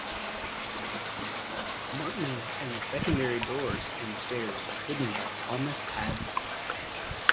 Martyn; and the secondary doors and stairs are by Thomas Hadden.